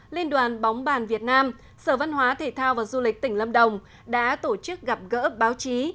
liên đoàn bóng bàn việt nam sở văn hóa thể thao và du lịch tỉnh lâm đồng đã tổ chức gặp gỡ báo chí